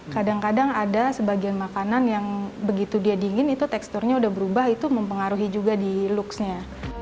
kadang kadang ada sebagian makanan yang begitu dia dingin itu teksturnya udah berubah itu mempengaruhi juga di looksnya